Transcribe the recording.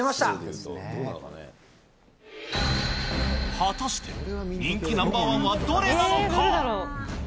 果たして、人気ナンバー１はどれなのか。